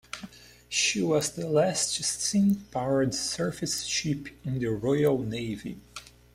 She was the last steam powered surface ship in the Royal Navy.